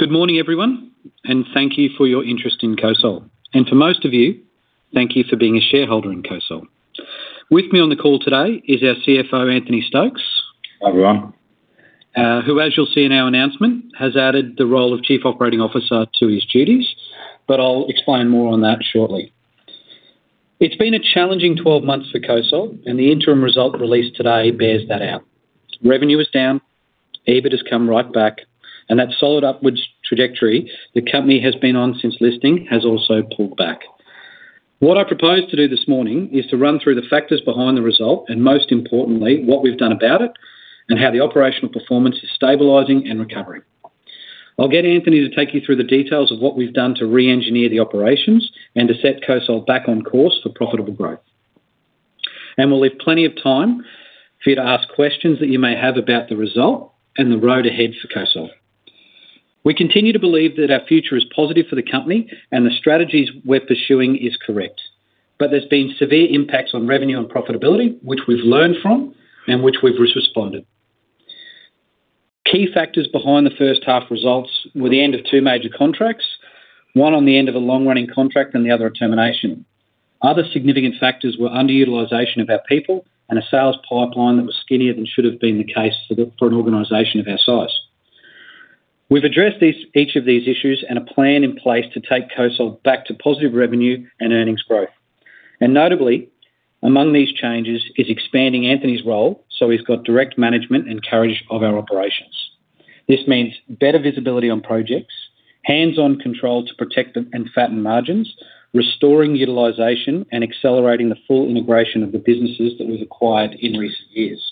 Thank you. Good morning, everyone, thank you for your interest in COSOL. For most of you, thank you for being a shareholder in COSOL. With me on the call today is our CFO, Anthony Stokes. Hi, everyone. Who, as you'll see in our announcement, has added the role of Chief Operating Officer to his duties. I'll explain more on that shortly. It's been a challenging 12 months for COSOL. The interim result released today bears that out. Revenue is down, EBIT has come right back. That solid upwards trajectory the company has been on since listing has also pulled back. What I propose to do this morning is to run through the factors behind the result, most importantly, what we've done about it, and how the operational performance is stabilizing and recovering. I'll get Anthony to take you through the details of what we've done to reengineer the operations and to set COSOL back on course for profitable growth. We'll leave plenty of time for you to ask questions that you may have about the result and the road ahead for COSOL. We continue to believe that our future is positive for the company, and the strategies we're pursuing is correct, but there's been severe impacts on revenue and profitability, which we've learned from and which we've responded. Key factors behind the first half results were the end of two major contracts, one on the end of a long-running contract and the other, a termination. Other significant factors were underutilization of our people and a sales pipeline that was skinnier than should have been the case for an organization of our size. We've addressed each of these issues and a plan in place to take COSOL back to positive revenue and earnings growth. Notably, among these changes is expanding Anthony's role, so he's got direct management and courage of our operations. This means better visibility on projects, hands-on control to protect and fatten margins, restoring utilization, and accelerating the full integration of the businesses that we've acquired in recent years.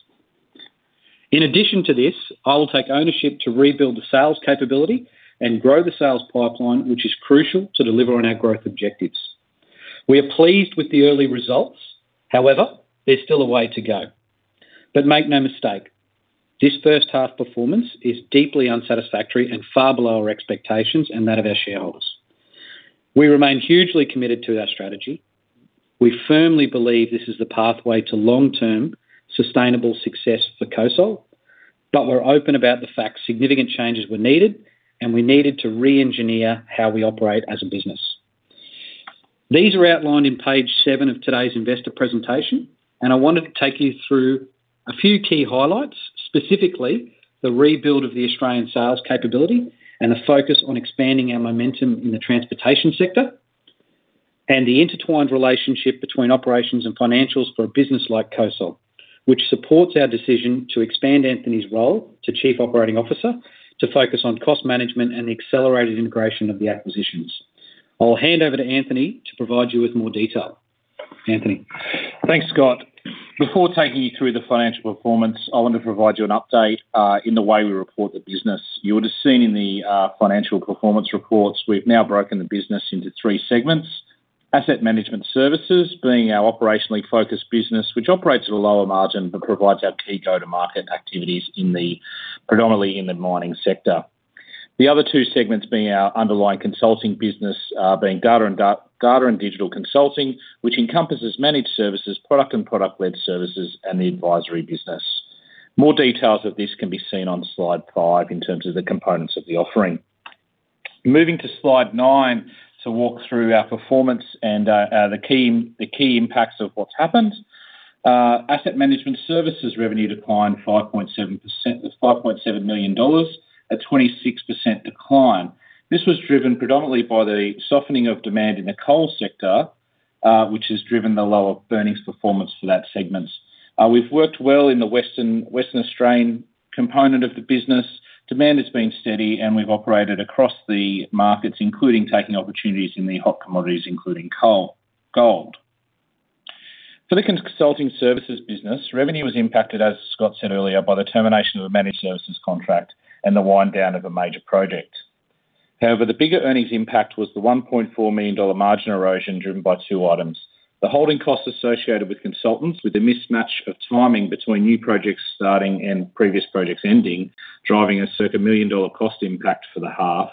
In addition to this, I will take ownership to rebuild the sales capability and grow the sales pipeline, which is crucial to deliver on our growth objectives. We are pleased with the early results, however, there's still a way to go. Make no mistake, this first half performance is deeply unsatisfactory and far below our expectations and that of our shareholders. We remain hugely committed to our strategy. We firmly believe this is the pathway to long-term sustainable success for COSOL, but we're open about the fact significant changes were needed, and we needed to reengineer how we operate as a business. These are outlined on page seven of today's investor presentation, and I wanted to take you through a few key highlights, specifically, the rebuild of the Australian sales capability and a focus on expanding our momentum in the transportation sector, and the intertwined relationship between operations and financials for a business like COSOL, which supports our decision to expand Anthony's role to Chief Operating Officer to focus on cost management and the accelerated integration of the acquisitions. I'll hand over to Anthony to provide you with more detail. Anthony? Thanks, Scott. Before taking you through the financial performance, I want to provide you an update in the way we report the business. You would have seen in the financial performance reports, we've now broken the business into three segments. Asset Management Services being our operationally focused business, which operates at a lower margin, but provides our key go-to-market activities predominantly in the mining sector. The other two segments being our underlying consulting business, being Data and Digital Consulting, which encompasses Managed Services, product and Product-led services, and the advisory business. More details of this can be seen on Slide 5 in terms of the components of the offering. Moving to Slide 9 to walk through our performance and the key impacts of what's happened. Asset Management Services revenue declined 5.7%... 5.7 million dollars, a 26% decline. This was driven predominantly by the softening of demand in the coal sector, which has driven the lower earnings performance for that segment. We've worked well in the Western Australian component of the business. Demand has been steady, and we've operated across the markets, including taking opportunities in the hot commodities, including coal, gold. For the consulting services business, revenue was impacted, as Scott said earlier, by the termination of a Managed Services contract and the wind down of a major project. The bigger earnings impact was the 1.4 million dollar margin erosion, driven by two items: the holding costs associated with consultants, with the mismatch of timing between new projects starting and previous projects ending, driving a circum million-dollar cost impact for the half,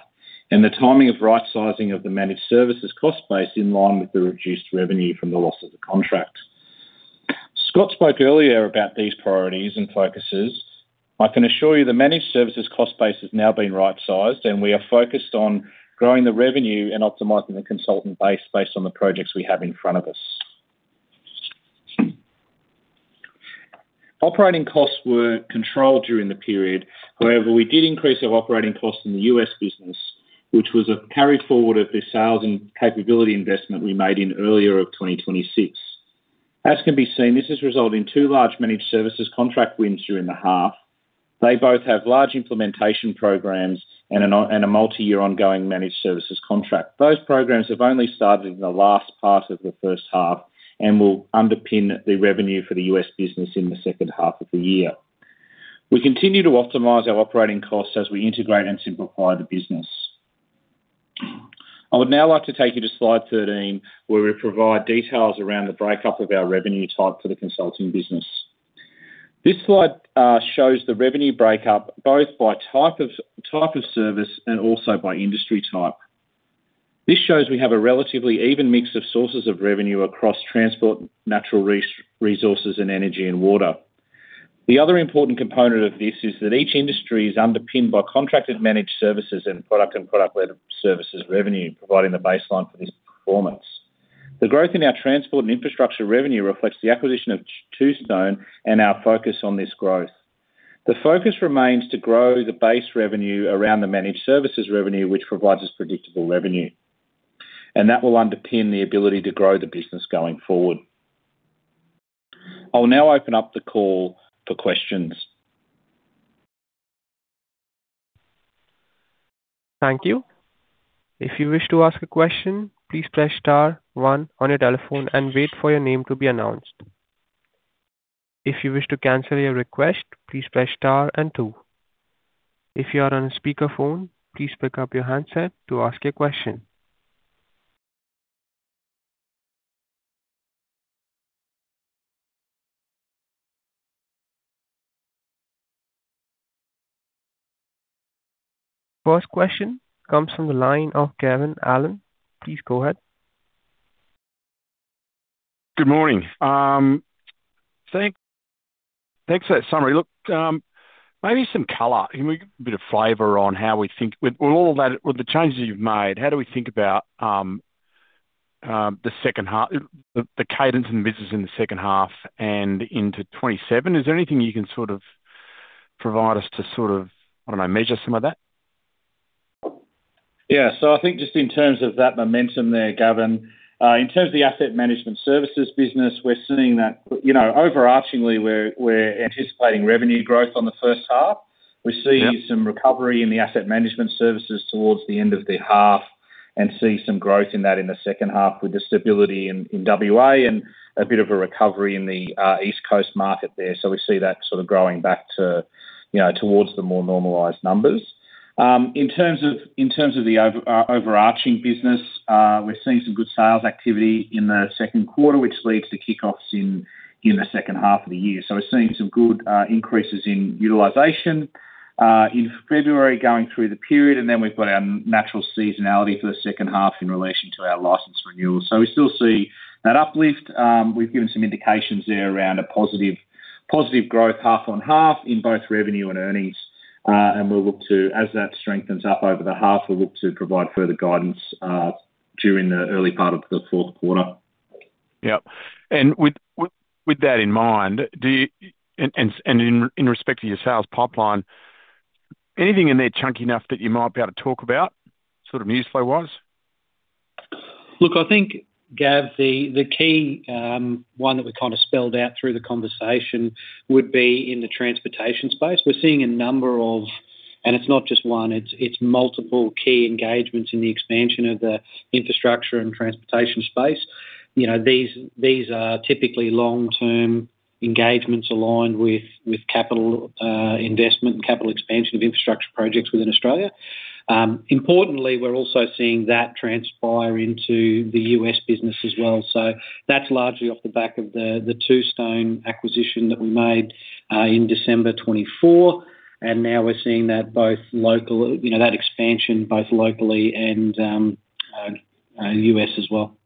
and the timing of right-sizing of the Managed Services cost base in line with the reduced revenue from the loss of the contract. Scott spoke earlier about these priorities and focuses. I can assure you the Managed Services cost base has now been right-sized, and we are focused on growing the revenue and optimizing the consultant base, based on the projects we have in front of us. Operating costs were controlled during the period. We did increase our operating costs in the U.S. business, which was a carry forward of the sales and capability investment we made in earlier of 2026. As can be seen, this has resulted in two large Managed Services contract wins during the half. They both have large implementation programs and a multi-year ongoing Managed Services contract. Those programs have only started in the last part of the first half and will underpin the revenue for the U.S. business in the second half of the year. We continue to optimize our operating costs as we integrate and simplify the business. I would now like to take you to slide 13, where we provide details around the breakup of our revenue type for the consulting business. This slide shows the revenue breakup, both by type of service and also by industry type. This shows we have a relatively even mix of sources of revenue across transport, natural resources, and energy and water. The other important component of this is that each industry is underpinned by contracted Managed Services and product and Product-led services revenue, providing the baseline for this performance. The growth in our transport and infrastructure revenue reflects the acquisition of Toustone and our focus on this growth. The focus remains to grow the base revenue around the Managed Services revenue, which provides us predictable revenue. That will underpin the ability to grow the business going forward. I'll now open up the call for questions. Thank you. If you wish to ask a question, please press star one on your telephone and wait for your name to be announced. If you wish to cancel your request, please press star and two. If you are on a speakerphone, please pick up your handset to ask a question. First question comes from the line of Gavin Allen. Please go ahead. Good morning. thanks for that summary. Look, maybe some color, can we get a bit of flavor on how we think with all of that, with the changes you've made, how do we think about, the second half, the cadence in the business in the second half and into 27? Is there anything you can sort of provide us to sort of, I don't know, measure some of that? Yeah. I think just in terms of that momentum there, Gavin, in terms of the Asset Management Services business, we're seeing that, you know, overarchingly, we're anticipating revenue growth on the first half. Yep. We see some recovery in the Asset Management Services towards the end of the half and see some growth in that in the second half, with the stability in WA and a bit of a recovery in the East Coast market there. We see that sort of growing back to, you know, towards the more normalized numbers. In terms of the overarching business, we're seeing some good sales activity in the second quarter, which leads to kickoffs in the second half of the year. We're seeing some good increases in utilization in February going through the period, we've got our natural seasonality for the second half in relation to our license renewals. We still see that uplift. We've given some indications there around a positive growth half on half in both revenue and earnings. We look to as that strengthens up over the half, we look to provide further guidance during the early part of the fourth quarter. Yep. With that in mind, in respect to your sales pipeline, anything in there chunky enough that you might be able to talk about, sort of news flow-wise? Look, I think, Gav, the key one that we kind of spelled out through the conversation would be in the transportation space. We're seeing a number of and it's not just one, it's multiple key engagements in the expansion of the infrastructure and transportation space. You know, these are typically long-term engagements aligned with capital investment and capital expansion of infrastructure projects within Australia. Importantly, we're also seeing that transpire into the U.S. business as well. That's largely off the back of the Toustone acquisition that we made in December 2024, and now we're seeing that both locally, you know, that expansion both locally and U.S. as well.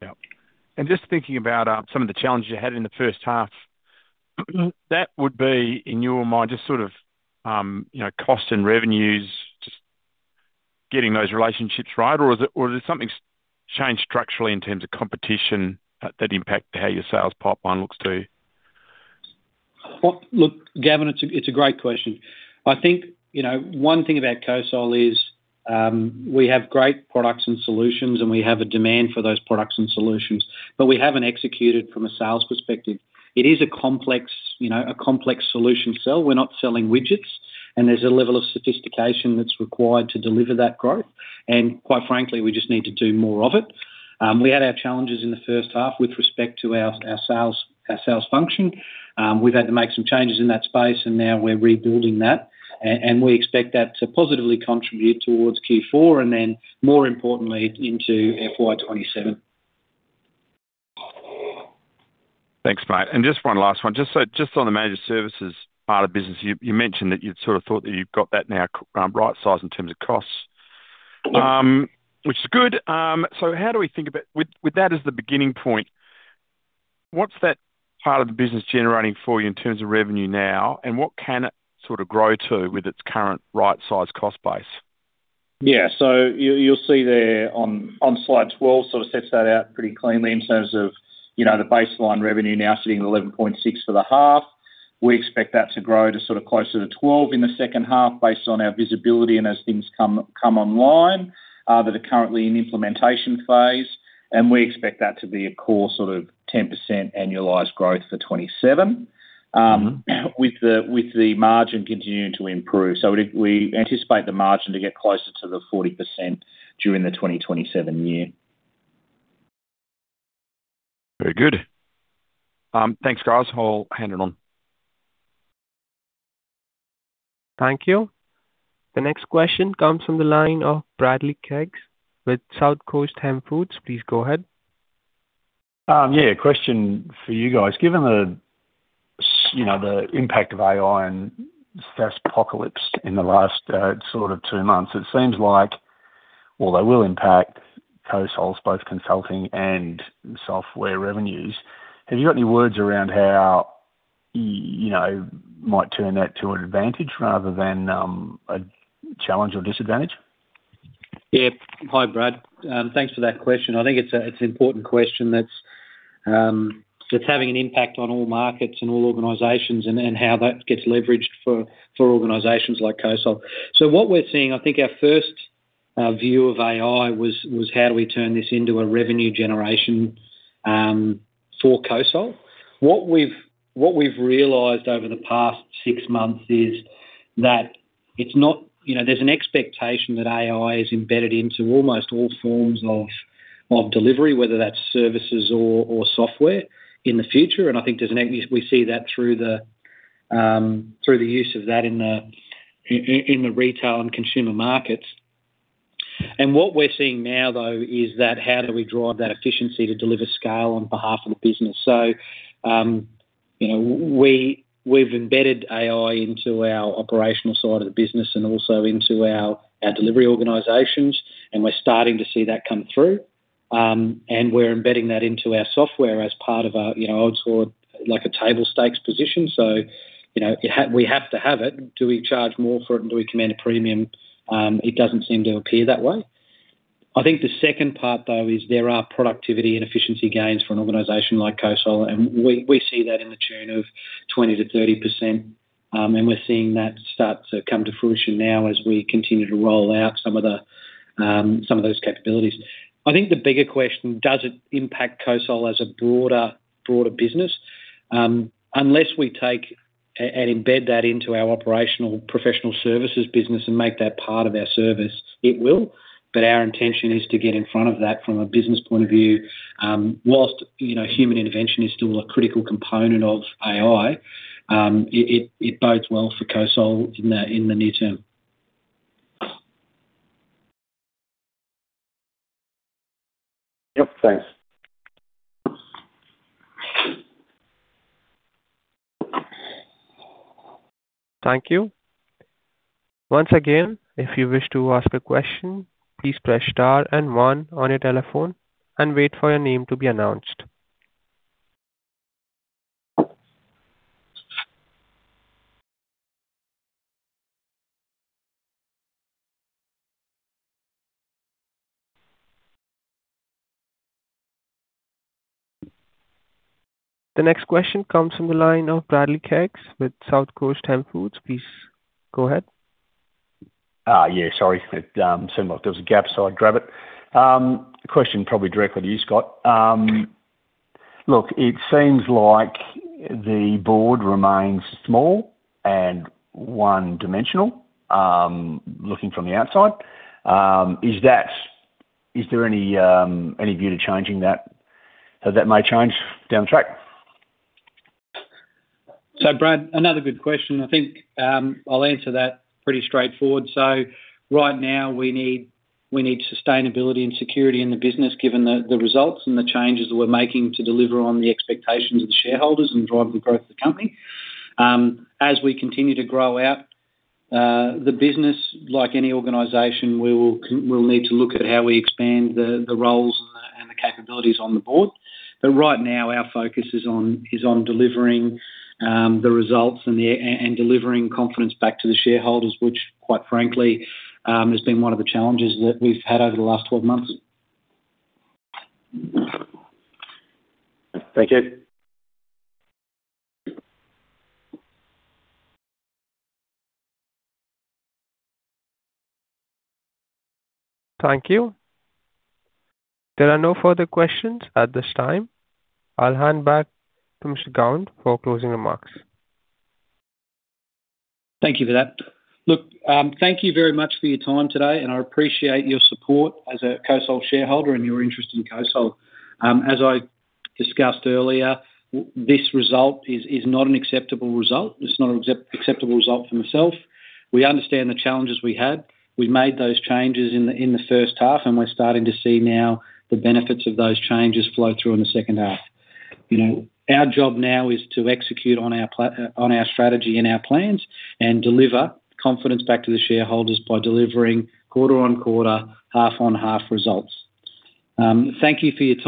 Yep. Just thinking about some of the challenges you had in the first half, that would be, in your mind, just sort of, you know, cost and revenues, just getting those relationships right? Has something changed structurally in terms of competition, that impact how your sales pipeline looks to you? Well, look, Gavin, it's a great question. I think, you know, one thing about COSOL is, we have great products and solutions, and we have a demand for those products and solutions, but we haven't executed from a sales perspective. It is a complex, you know, a complex solution sell. We're not selling widgets, and there's a level of sophistication that's required to deliver that growth, and quite frankly, we just need to do more of it. We had our challenges in the first half with respect to our sales function. We've had to make some changes in that space, and now we're rebuilding that. We expect that to positively contribute towards Q4 and then, more importantly, into FY27. Thanks, mate. Just one last one. Just so, just on the Managed Services part of the business, you mentioned that you'd sort of thought that you've got that now right-size in terms of costs, which is good. How do we think about With that as the beginning point, what's that part of the business generating for you in terms of revenue now, and what can it sort of grow to with its current right-size cost base? Yeah. You'll see there on slide 12, sort of sets that out pretty cleanly in terms of, you know, the baseline revenue now sitting at 11.6 for the half. We expect that to grow to sort of closer to 12 in the second half, based on our visibility and as things come online that are currently in implementation phase. We expect that to be a core sort of 10% annualized growth for 2027. with the margin continuing to improve. We anticipate the margin to get closer to the 40% during the 2027 year. Very good. Thanks, guys. I'll hand it on. Thank you. The next question comes from the line of Bradley Keggs with South Coast Canned Foods. Please go ahead. Yeah, a question for you guys. Given the you know the impact of AI and SaaS apocalypse in the last sort of two months, it seems like although it will impact COSOL's both consulting and software revenues, have you got any words around how, you know, might turn that to an advantage rather than a challenge or disadvantage? Yeah. Hi, Brad. Thanks for that question. I think it's an important question that's having an impact on all markets and all organizations and how that gets leveraged for organizations like COSOL. What we're seeing, I think our first view of AI was how do we turn this into a revenue generation for COSOL? What we've realized over the past six months is that it's not, you know, there's an expectation that AI is embedded into almost all forms of delivery, whether that's services or software in the future, and I think we see that through the use of that in the retail and consumer markets. What we're seeing now, though, is that how do we drive that efficiency to deliver scale on behalf of the business? You know, we've embedded AI into our operational side of the business and also into our delivery organizations, and we're starting to see that come through. We're embedding that into our software as part of a, you know, sort of like a table stakes position. You know, we have to have it. Do we charge more for it, and do we command a premium? It doesn't seem to appear that way. I think the second part, though, is there are productivity and efficiency gains for an organization like COSOL, and we see that in the tune of 20%-30%, and we're seeing that start to come to fruition now as we continue to roll out some of the, some of those capabilities. I think the bigger question, does it impact COSOL as a broader business? Unless we take and embed that into our operational professional services business and make that part of our service, it will, but our intention is to get in front of that from a business point of view. Whilst, you know, human intervention is still a critical component of AI, it bodes well for COSOL in the near term. Yep, thanks. Thank you. Once again, if you wish to ask a question, please press star and one on your telephone and wait for your name to be announced. The next question comes from the line of Bradley Keggs with South Coast Canned Foods. Please go ahead. Yeah, sorry for that, seemed like there was a gap, so I'd grab it. The question probably directly to you, Scott. Look, it seems like the board remains small and one-dimensional, looking from the outside. Is there any view to changing that, how that may change down the track? Brad, another good question. I think I'll answer that pretty straightforward. Right now we need sustainability and security in the business, given the results and the changes we're making to deliver on the expectations of the shareholders and drive the growth of the company. As we continue to grow out the business, like any organization, we'll need to look at how we expand the roles and the capabilities on the board. Right now our focus is on delivering the results and delivering confidence back to the shareholders, which, quite frankly, has been one of the challenges that we've had over the last 12 months. Thank you. Thank you. There are no further questions at this time. I'll hand back to Mr. Gowen for closing remarks. Thank you for that. Look, thank you very much for your time today. I appreciate your support as a COSOL shareholder and your interest in COSOL. As I discussed earlier, this result is not an acceptable result. It's not an acceptable result for myself. We understand the challenges we had. We made those changes in the first half, and we're starting to see now the benefits of those changes flow through in the second half. You know, our job now is to execute on our strategy and our plans and deliver confidence back to the shareholders by delivering quarter on quarter, half on half results. Thank you for your time.